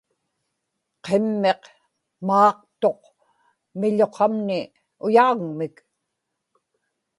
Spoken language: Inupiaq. qimmiq maaqtuq miḷuqamni uyaġagmik